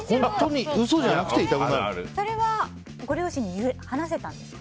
それはご両親に話せたんですか。